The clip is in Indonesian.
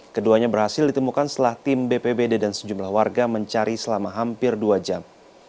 keduanya berhasil ditemukan setelah tim bpbd dan sejumlah warga mencari selama hampir dua jam